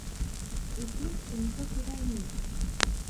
Усе, хто не хоча вайны.